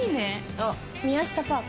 あ宮下パーク？